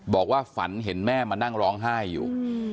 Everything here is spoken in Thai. บอกว่าฝันเห็นแม่มานั่งร้องไห้อยู่